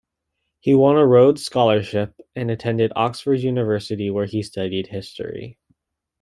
He won a Rhodes Scholarship and attended Oxford University where he studied history.